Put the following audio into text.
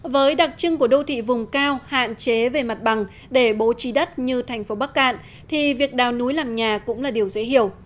với đặc trưng của đô thị vùng cao hạn chế về mặt bằng để bố trí đất như thành phố bắc cạn thì việc đào núi làm nhà cũng là điều dễ hiểu